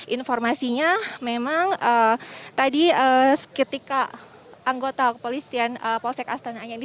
informasinya memang tadi ketika anggota kepolisian polsek astana anyar ini